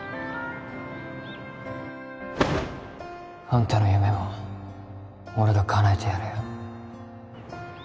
あんたの夢も俺がかなえてやるよ